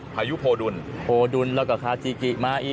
พายุโพดุลโพดุลแล้วก็คาจิกิมาอี